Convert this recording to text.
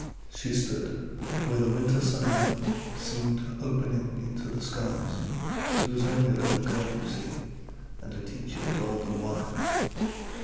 She stood where the winter sunlight Seemed opening into the skies (She was only a little girl, you see, And her teacher was old and wise).